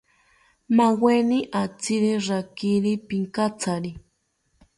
Maweni atziri rakiri pinkatsari